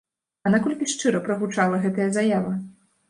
А наколькі шчыра прагучала гэтая заява?